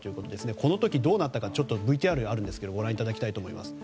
この時どうなったかＶＴＲがあるんですがご覧いただきたいと思います。